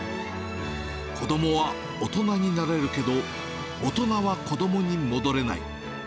子どもは大人になれるけど、大人は子どもに戻れない。